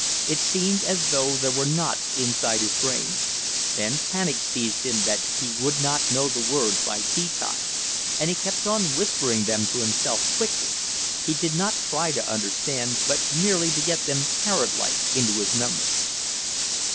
It seemed as though there were knots inside his brain. Then panic seized him that he would not know the words by tea time, and he kept on whispering them to himself quickly; he did not try to understand, but merely to get them parrot like into his memory.